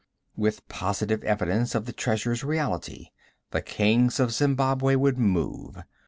With positive evidence of the treasure's reality, the kings of Zembabwei would move.